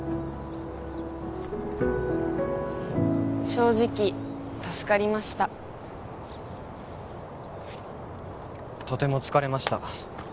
正直助かりましたとても疲れました